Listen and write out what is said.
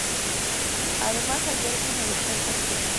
Además alberga un aeropuerto regional.